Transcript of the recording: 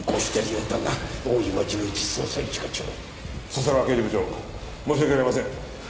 笹川刑事部長申し訳ありません。